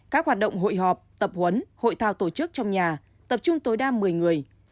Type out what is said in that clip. các hoạt động hội họp tập huấn hội thao tổ chức trong nhà tập trung tối đa một mươi người